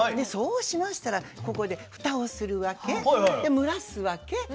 そうしましたらここで蓋をするわけ。で蒸らすわけ。